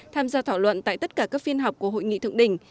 tham gia thảo luận tại tất cả các phiên họp của hội nghị thượng đỉnh